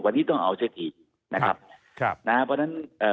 วันนี้ต้องเอาสักทีนะครับครับนะฮะเพราะฉะนั้นเอ่อ